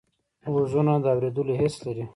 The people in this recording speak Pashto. غوږونه د اوریدلو حس لري